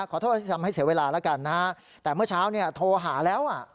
ขอโทษที่ทำให้เสียเวลาแล้วกันนะฮะแต่เมื่อเช้าเนี่ยโทรหาแล้วอ่ะ